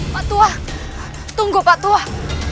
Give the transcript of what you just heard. patuah tunggu patuah